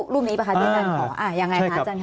รูปนี้ป่ะคะด้วยกันอย่างไรคะอาจารย์ค่ะ